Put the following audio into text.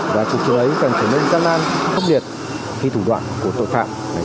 và cuộc chiến ấy cần trở nên gian nan khốc liệt khi thủ đoạn của tội phạm